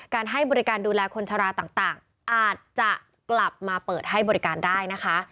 ให้บริการดูแลคนชะลาต่างอาจจะกลับมาเปิดให้บริการได้นะคะ